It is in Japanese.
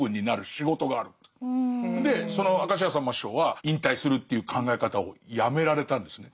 でその明石家さんま師匠は引退するっていう考え方をやめられたんですね。